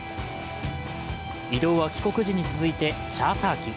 移動は帰国時に続いてチャーター機。